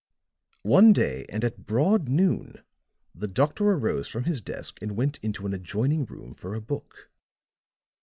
One day, and at broad noon, the doctor arose from his desk and went into an adjoining room for a book.